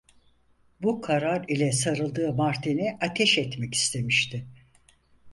Bu karar ile sarıldığı martini ateş etmek istemişti.